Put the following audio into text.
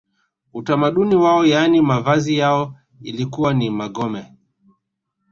Utamaduni wao yaani mavazi yao ilikuwa ni magome